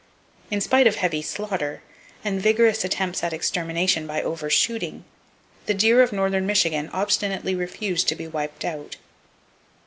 In spite of heavy slaughter, and vigorous attempts at extermination by over shooting, the deer of northern Michigan obstinately refuse to be wiped out.